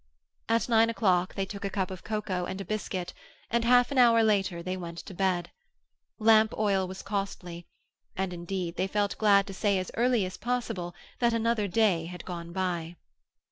At nine o'clock they took a cup of cocoa and a biscuit, and half an hour later they went to bed. Lamp oil was costly; and indeed they felt glad to say as early as possible that another day had gone by.